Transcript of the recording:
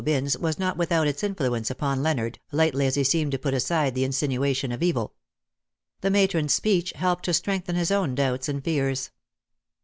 Aubyn^s was not without its influence upon Leonard, lightly as he seemed to put aside the insinuation of evil. The matron^s speech helped to strengthen his own doubts and fears.